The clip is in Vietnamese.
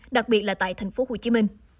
đặc biệt là tại thành phố hồ chí minh